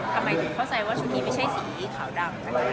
ทำไมถึงเข้าใจว่าชุมทีพี่ใช่สีขาวดำนะคะ